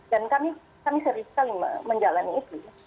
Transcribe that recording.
dan kami serius sekali menjalani itu ya